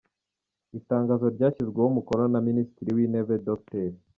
Itangazo ryashyizweho umukono na Minisitiri w’Intebe Dr.